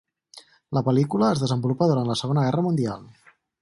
La pel·lícula es desenvolupa durant la Segona Guerra mundial.